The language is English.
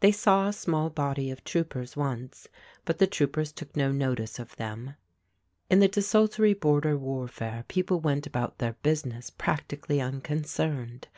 They saw a small body of troopers once; but the troopers took no notice of them. In the desultory border warfare people went about their business practically unconcerned.